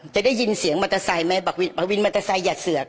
จะได้ยินเสียงมอเตอร์ไซค์ไหมวินมอเตอร์ไซค์อย่าเสือก